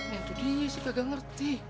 gak ngerti siapa yang ganti